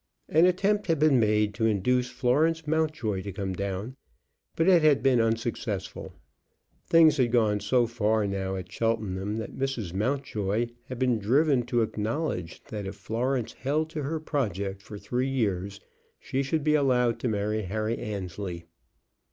An attempt had been made to induce Florence Mountjoy to come down, but it had been unsuccessful. Things had gone so far now at Cheltenham that Mrs. Mountjoy had been driven to acknowledge that if Florence held to her project for three years she should be allowed to marry Harry Annesley.